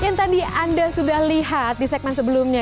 yang tadi anda sudah lihat di segmen sebelumnya